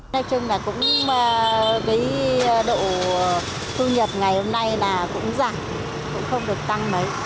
nói chung là cũng cái độ thu nhập ngày hôm nay là cũng giảm cũng không được tăng mấy